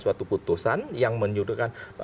suatu putusan yang menyuruhkan